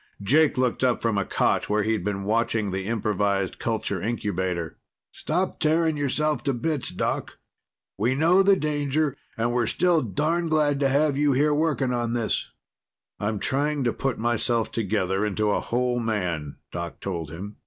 Jake looked up from a cot where he'd been watching the improvised culture incubator. "Stop tearing yourself to bits, Doc. We know the danger and we're still darned glad to have you here working on this." "I'm trying to put myself together into a whole man," Doc told him.